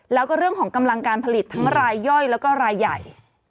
แล้วก็เรื่องของกำลังการผลิตทั้งรายย่อยแล้วก็รายใหญ่